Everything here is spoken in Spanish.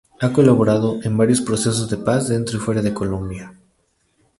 Ha colaborado en varios procesos de paz dentro y fuera de Colombia.